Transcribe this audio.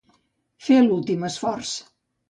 Fer l'últim esforç.